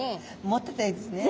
持ってたいですね。